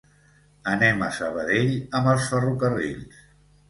Anem a Sabadell amb els Ferrocarrils.